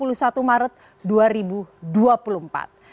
oleh kpu pada tanggal dua puluh satu maret dua ribu dua puluh empat